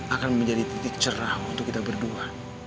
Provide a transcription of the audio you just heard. akan menjadi titik cerah untuk kita berdua